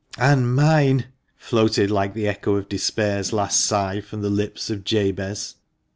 "And mine!" floated like the echo of despair's last sigh from the lips of Jabez.